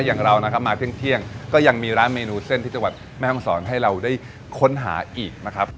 อย่างเรานะครับมาเที่ยงก็ยังมีร้านเมนูเส้นที่จังหวัดแม่ห้องศรให้เราได้ค้นหาอีกนะครับ